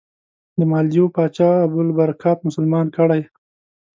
د مالدیو پاچا ابوالبرکات مسلمان کړی.